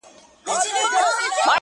• نه په غېږ کي د ځنګله سوای ګرځیدلای -